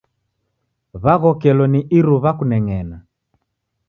W'aghokelo ni iruw'a kuneng'ena.